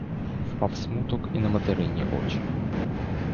Впав смуток і на материні очі.